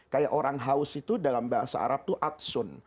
kayak orang haus itu dalam bahasa arab itu atsun